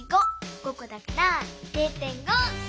５こだから０．５！